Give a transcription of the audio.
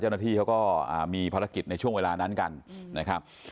เจ้าหน้าที่เขาก็มีภารกิจในช่วงเวลานั้นกันนะครับ